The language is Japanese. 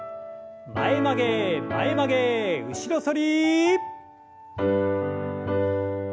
前曲げ前曲げ後ろ反り。